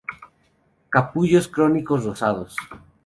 Capullos cónicos, rosados.